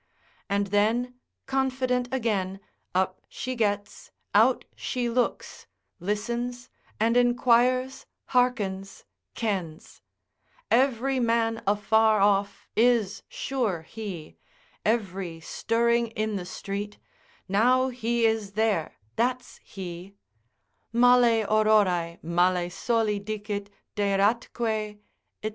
And then, confident again, up she gets, out she looks, listens, and inquires, hearkens, kens; every man afar off is sure he, every stirring in the street, now he is there, that's he, male aurorae, malae soli dicit, deiratque, &c.